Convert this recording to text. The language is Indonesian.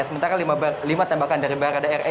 sementara lima tembakan dari barada re